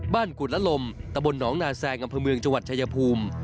กุฎละลมตะบลหนองนาแซงอำเภอเมืองจังหวัดชายภูมิ